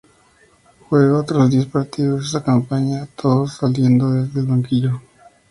Juega otros diez partidos esa campaña, todos saliendo desde el banquillo.